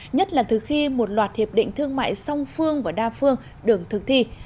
nhất là từ khi một loạt hiệp định thương mại song phương và đa phương đường thực thi